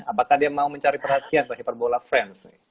apakah dia mau mencari perhatian seperti perbola friends